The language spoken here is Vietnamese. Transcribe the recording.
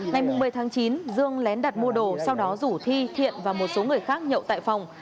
ngày một mươi tháng chín dương lén đặt mua đồ sau đó rủ thi thiện và một số người khác nhậu tại phòng